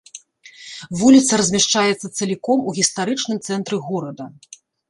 Вуліца размяшчаецца цаліком у гістарычным цэнтры горада.